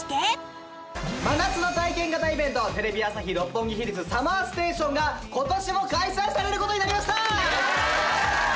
真夏の体験型イベントテレビ朝日・六本木ヒルズＳＵＭＭＥＲＳＴＡＴＩＯＮが今年も開催される事になりました！